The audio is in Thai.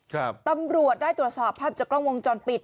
ตำรวจได้ตรวจสอบภาพจากกล้องวงจรปิด